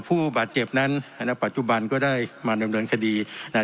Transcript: ผู้บาดเจ็บนั้นณปัจจุบันก็ได้มาดำเนินคดีนะฮะ